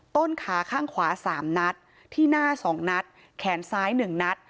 ต้นขาข้างขวาสามนัดที่หน้าสองนัดแขนซ้ายหนึ่งนัด